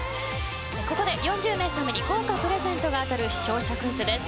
ここで４０名様に豪華プレゼントが当たる視聴者クイズです。